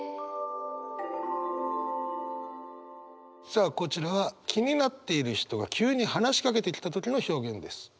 さあこちらは気になっている人が急に話しかけてきた時の表現です。